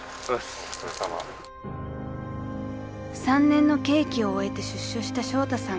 ［３年の刑期を終えて出所したショウタさん］